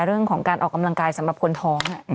เรื่องของการออกกำลังกายสำหรับคนท้อง